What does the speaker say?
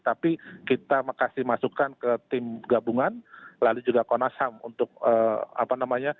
tapi kita kasih masukan ke tim gabungan lalu juga komnas ham untuk apa namanya